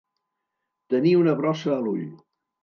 Tenir una brossa a l'ull.